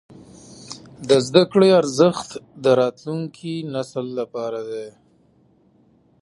د زده کړې ارزښت د راتلونکي نسل لپاره دی.